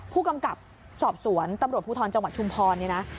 ผู้กำกับสอบสวนตำรวจภูทรจังหวัดชุมพรเนี่ยนะ